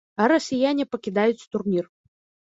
А расіяне пакідаюць турнір.